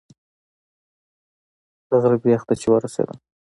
د غره بیخ ته چې ورسېدم.